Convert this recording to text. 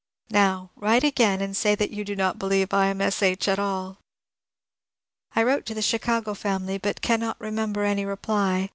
Now write again and say that you do not believe I am S. H. at all! I wrote to the Chicago family, but cannot remember any reply.